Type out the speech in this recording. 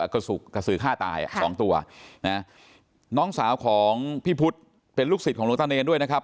กระสือฆ่าตายอ่ะสองตัวนะน้องสาวของพี่พุทธเป็นลูกศิษย์ของหลวงตาเนรด้วยนะครับ